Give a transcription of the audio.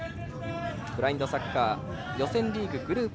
ブラインドサッカー予選リーグ、グループ